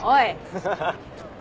ハハハ。